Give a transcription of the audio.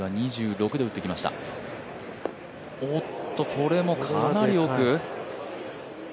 これもかなり奥。